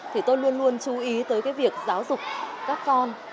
thì tôi luôn luôn chú ý tới cái việc giáo dục các con